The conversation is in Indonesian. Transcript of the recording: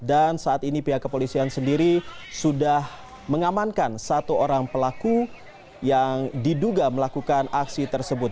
dan saat ini pihak kepolisian sendiri sudah mengamankan satu orang pelaku yang diduga melakukan aksi tersebut